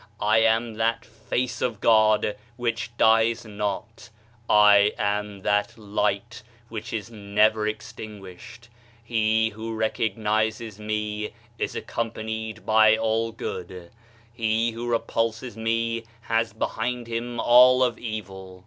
I am that face of God which dies not, I am that light which is never extinguished. He who recognizes me is accompanied by all good, he who repulses me has behind him all of evil."